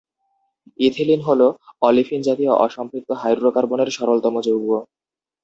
Ethylene হলো olefin জাতীয় অসম্পৃক্ত হাইড্রোকার্বনের সরলতম যৌগ।